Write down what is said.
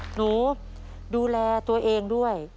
หนูดูแลตัวเองด้วย